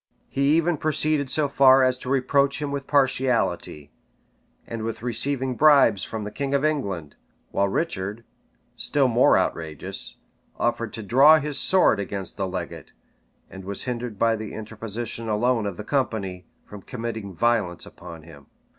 He even proceeded so far as to reproach him with partiality, and with receiving bribes from the king of England; while Richard, still more outrageous, offered to draw his sword against the legate, and was hindered by the interposition alone of the company, from committing violence upon him.